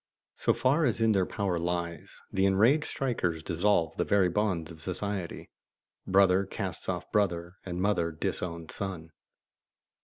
So far as in their power lies, the enraged strikers dissolve the very bonds of society, brother casts off brother, and mother disowns son.